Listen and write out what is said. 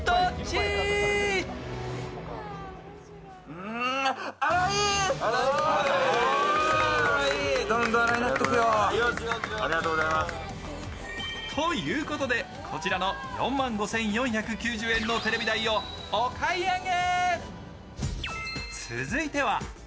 もうＲｏｂｏｒｏｃｋはいいんじゃない？ということでこちらの４万５４９０円のテレビ台をお買い上げ。